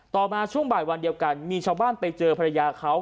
มาช่วงบ่ายวันเดียวกันมีชาวบ้านไปเจอภรรยาเขา